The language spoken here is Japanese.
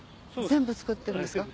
全部つくってるんですか？